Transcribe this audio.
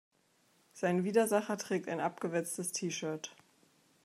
Sein Widersacher trägt ein abgewetztes T-Shirt.